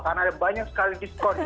karena ada banyak sekali diskon